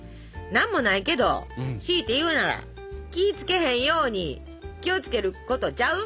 「なんもないけどしいて言うなら気いつけへんように気をつけることちゃう？」。